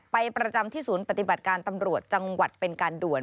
ประจำที่ศูนย์ปฏิบัติการตำรวจจังหวัดเป็นการด่วน